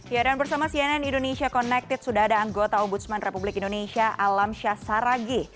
ya dan bersama cnn indonesia connected sudah ada anggota ombudsman republik indonesia alamsyah saragi